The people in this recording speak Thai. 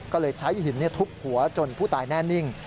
ก็เลยใช้หินทุบหัวจนผู้ตายแน่นิ่ง